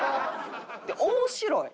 で面白い！